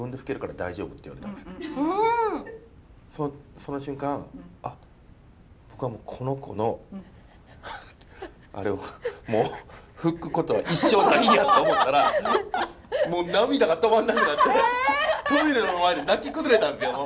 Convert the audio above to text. その瞬間あっ僕はこの子のアレをもう拭くことは一生ないんやと思ったらもう涙が止まんなくなってトイレの前で泣き崩れたんだけど。